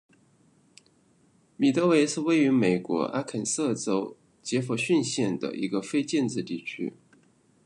米德韦是位于美国阿肯色州杰佛逊县的一个非建制地区。